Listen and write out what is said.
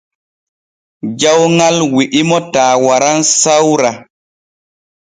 Jawŋal wi’imo taa waran sawra.